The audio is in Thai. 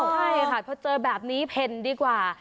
ใช่ค่ะพอเจอแบบนี้เพ่นดีกว่า